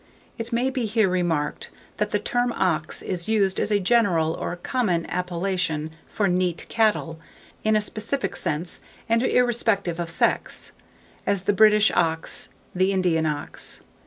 It may be here remarked, that the term ox is used as a general or common appellation for neat cattle, in a specific sense, and irrespective of sex; as the British ox, the Indian ox.